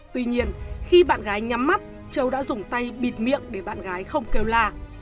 tuy nhiên khi bạn gái nhắm mắt châu đã dùng tay bịt miệng để bạn gái không kêu la